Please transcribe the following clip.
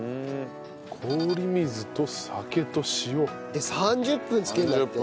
氷水と酒と塩。で３０分漬けるんだって。